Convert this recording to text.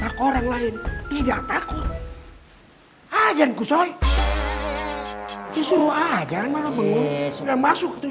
aku orang lain tidak takut ajanku soi disuruh aja malam mengulis dan masuk ke tujuh